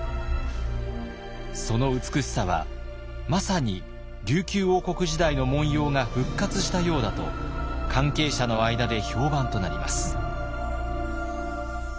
その美しさはまさに琉球王国時代の紋様が復活したようだと関係者の間で評判となります。